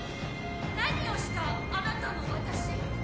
何をしたあなたの私。